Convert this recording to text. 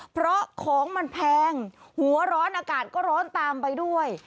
เพราะของมันแพงหัวร้อนอากาศก็ร้อนตามไปด้วย